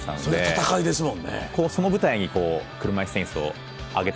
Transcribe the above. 戦いですもんね。